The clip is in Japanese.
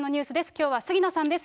きょうは杉野さんです。